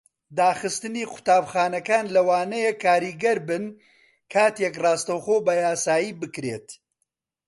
داخستنی قوتابخانەکان لەوانەیە کاریگەر بن کاتێک ڕاستەوخۆ بەیاسایی بکرێت.